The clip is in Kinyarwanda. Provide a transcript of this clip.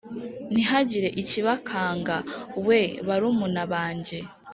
Ntihagire ikibakanga we barumuna banjye